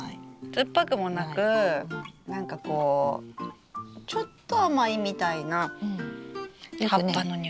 酸っぱくもなくなんかこうちょっと甘いみたいな葉っぱの匂いがする。